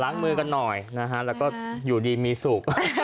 มือกันหน่อยนะฮะแล้วก็อยู่ดีมีสุข